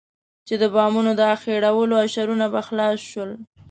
چې د بامونو د اخېړولو اشرونه به خلاص شول.